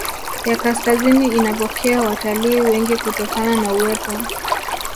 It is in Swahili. ya kaskazini inapokea watalii wengi kutokana na uwepo